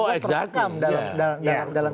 karena semua tersekam